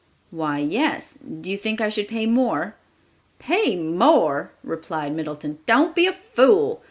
"Why, yes. Do you think I should pay more?" "Pay more!" replied Middleton. "Don't be a fool!